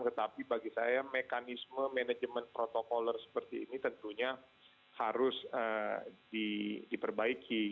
tetapi bagi saya mekanisme manajemen protokoler seperti ini tentunya harus diperbaiki